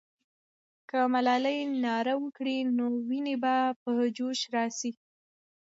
که ملالۍ ناره وکړي، نو ويني به په جوش راسي.